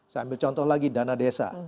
saya ambil contoh lagi dana desa